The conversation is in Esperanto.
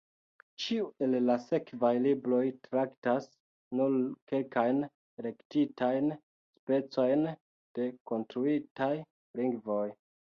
Ĉiu el la sekvaj libroj traktas nur kelkajn elektitajn specojn de konstruitaj lingvoj.